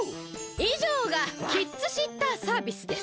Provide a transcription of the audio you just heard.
いじょうがキッズシッターサービスです。